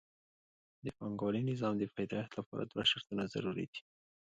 د پانګوالي نظام د پیدایښت لپاره دوه شرطونه ضروري دي